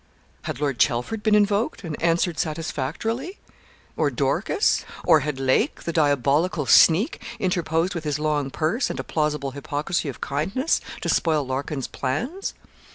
Had Lord Chelford been invoked, and answered satisfactorily? Or Dorcas or had Lake, the diabolical sneak, interposed with his long purse, and a plausible hypocrisy of kindness, to spoil Larkin's plans?